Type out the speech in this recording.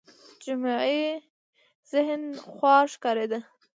جمعي ذهن خوار ښکارېده